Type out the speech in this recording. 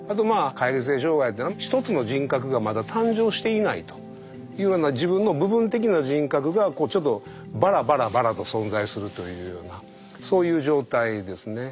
解離性障害というのはひとつの人格がまだ誕生していないというような自分の部分的な人格がちょっとバラバラバラと存在するというようなそういう状態ですね。